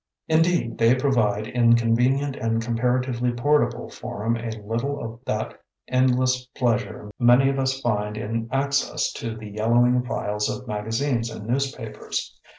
Indeed, they provide in convenient and comparatively portable form a little of that endless pleasure many of us find in access to the yellow ing files of magazines and newspapers.